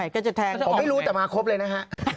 ก็จะแทงผมไม่รู้แต่มาครบเลยนะฮะ